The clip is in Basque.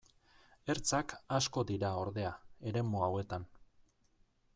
Ertzak asko dira, ordea, eremu hauetan.